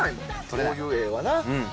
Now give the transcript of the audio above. こういう絵はな。